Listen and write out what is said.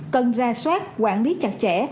cần ra soát quản lý chặt chẽ